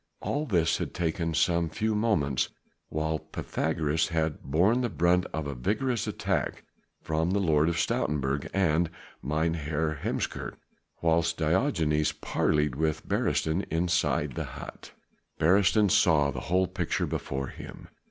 All this had taken some few minutes while Pythagoras had borne the brunt of a vigorous attack from the Lord of Stoutenburg and Mynheer Heemskerk, whilst Diogenes parleyed with Beresteyn inside the hut. Beresteyn saw the whole picture before him.